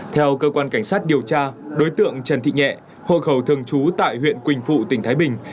theo cơ quan cảnh sát điều tra đối tượng trần thị nhẹ hộ khẩu thường trú tại huyện quỳnh phụ tỉnh thái bình